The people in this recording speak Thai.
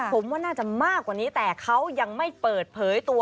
ผมว่าน่าจะมากกว่านี้แต่เขายังไม่เปิดเผยตัว